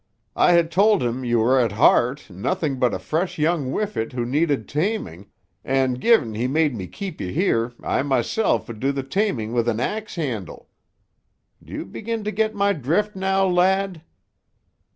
I ha' told him you were at heart nothing but a fresh young whiffet who needed taming, and gi'n he made me keep you here I mysel' would do the taming with an ax handle. Do you begin to get my drift now, lad?"